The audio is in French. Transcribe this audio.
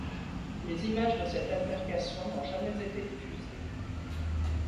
Les images de cette altercation n'ont jamais été diffusées.